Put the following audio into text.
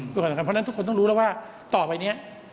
เพราะฉะนั้นทุกคนต้องรู้แล้วว่าต่อไปนี้